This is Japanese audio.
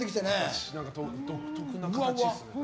独特な形ですね。